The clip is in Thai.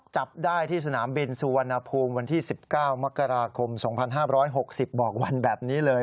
จับได้ที่สนามบินสุวรรณภูมิวันที่๑๙มกราคม๒๕๖๐บอกวันแบบนี้เลย